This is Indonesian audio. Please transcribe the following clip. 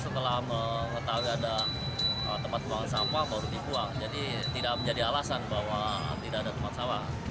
setelah mengetahui ada tempat buangan sampah baru dibuang jadi tidak menjadi alasan bahwa tidak ada tempat sampah